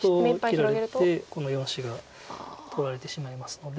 そう打つと切られてこの４子が取られてしまいますので。